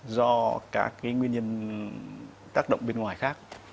do các cái nguyên nhân tác động bên ngoài khác